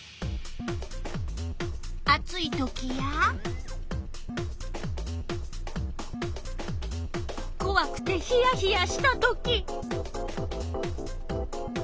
暑いときやこわくてひやひやしたとき。